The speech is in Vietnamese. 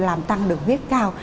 làm tăng đường huyết cao